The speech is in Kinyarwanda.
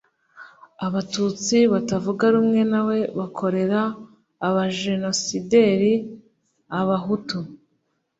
Abatutsi batavuga rumwe nawe bakorera abajenosideri (Abahutu)